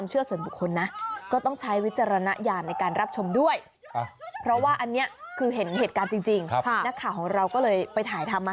ลบลูลบลูลบลูลบลูลบลูลบลูลบลูลบลูลบลูลบลู